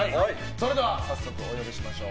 それでは早速お呼びしましょう。